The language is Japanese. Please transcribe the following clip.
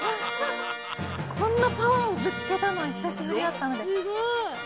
こんなパワーをぶつけたのはひさしぶりだったのでちょうきもちいい！